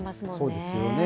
そうですよね。